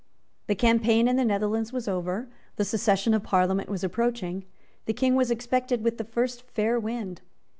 The campaign in the Netherlands was over. The session of Parliament was approaching. The King was expected with the first fair wind.